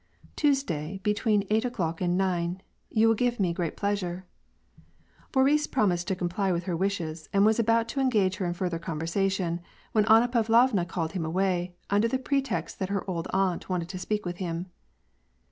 " Tuesday, between eight o'clock and nine. You will give me great pleasure." Boris promised to comply with her wishes, and was about to engage her in further conversation, when Anna Pa vlovna called him away, under the pretext that her old aunt wanted to sj>eak with him.